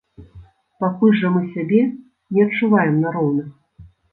Пакуль жа мы сябе не адчуваем на роўных.